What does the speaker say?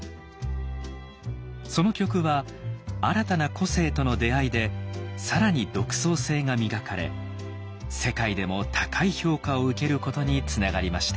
その曲は新たな個性との出会いで更に独創性が磨かれ世界でも高い評価を受けることにつながりました。